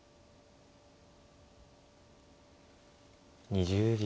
２０秒。